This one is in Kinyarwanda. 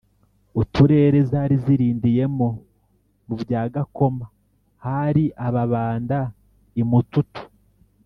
uturere zari zirindiyemo; mu bya gakoma hari ababanda, i mututu